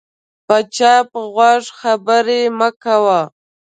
په چپ غوږ خبرې مه کوه